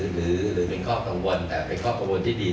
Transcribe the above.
หรือเป็นข้อกังวลที่ดี